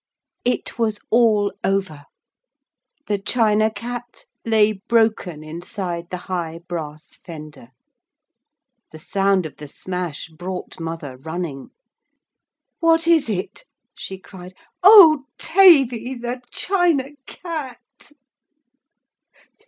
It was all over the China Cat lay broken inside the high brass fender. The sound of the smash brought mother running. 'What is it?' she cried. 'Oh, Tavy the China Cat!'